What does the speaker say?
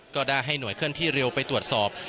ก็ได้ให้หน่วยเคลื่อนที่เร็วไปตรวจสอบ